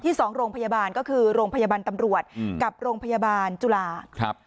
สองโรงพยาบาลก็คือโรงพยาบาลตำรวจกับโรงพยาบาลจุฬาครับ